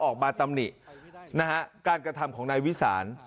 ออกบาตรรมนินะฮะการกระทำของนายวิสาน